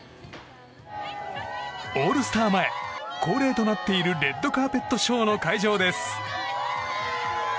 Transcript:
オールスター前恒例となっているレッドカーペットショーの会場です。